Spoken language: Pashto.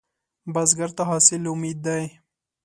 بزګر ته حاصل امید دی